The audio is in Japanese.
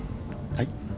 はい。